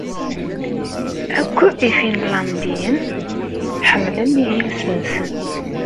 Akk Ifinlandiyen ḥemmlen iles-nsen.